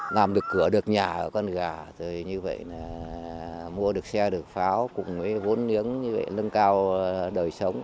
làm được cửa được nhà của con gà rồi như vậy là mua được xe được pháo cùng với vốn niếng như vậy lưng cao đời sống